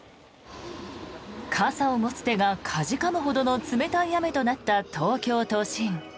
傘を持つ手がかじかむほどの冷たい雨となった東京都心。